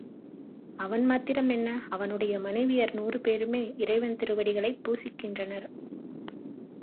அவன் மாத்திரம் என்ன அவனுடைய மனைவியர் நூறு பேருமே இறைவன் திருவடிகளைப் பூசிக்கின்றனர்.